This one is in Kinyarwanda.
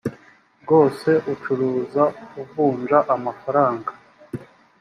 bwose ucuruza uvunja amafaranga